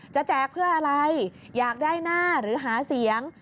แจกเพื่ออะไรอยากได้หน้าหรือหาเสียง